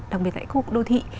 đặc biệt tại khu vực đô thị